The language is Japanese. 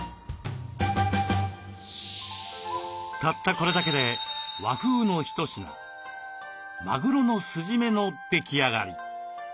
たったこれだけで和風の一品「マグロの酢じめ」の出来上がり。